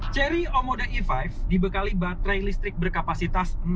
chery omoda e lima dibekali baterai listrik berkapasitas enam puluh satu kwh